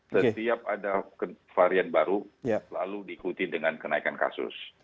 setiap ada varian baru lalu diikuti dengan kenaikan kasus